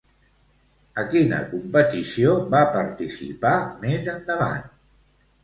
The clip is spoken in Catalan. A quina competició va participar més endavant?